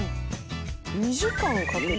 ２時間かけて。